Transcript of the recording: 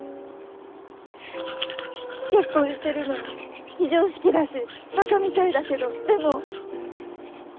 ううっ結婚してるのに非常識だしばかみたいだけどでも。